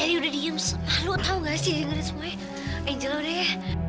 lu udah diem semalu tahu enggak sih semua angel ya